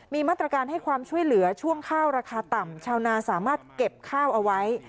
มีมาตรการให้ความช่วยเหลือช่วงข้าวราคาต่ำชาวนาสามารถเก็บข้าวเอาไว้